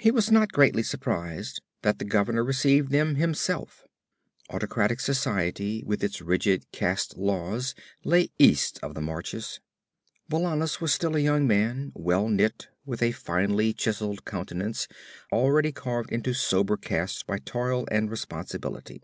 He was not greatly surprised that the governor received them himself. Autocratic society with its rigid caste laws lay east of the marches. Valannus was still a young man, well knit, with a finely chiseled countenance already carved into sober cast by toil and responsibility.